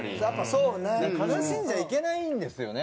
悲しんじゃいけないんですよね